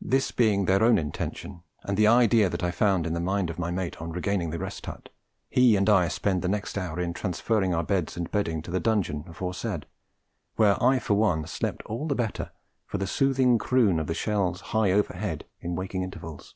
This being their own intention, and the idea that I found in the mind of my mate on regaining the Rest Hut, he and I spent the next hour in transferring our beds and bedding to the dungeon aforesaid, where I for one slept all the better for the soothing croon of shells high overhead in waking intervals.